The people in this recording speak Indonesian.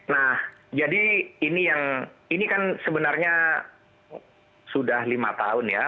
nah jadi ini kan sebenarnya sudah lima tahun ya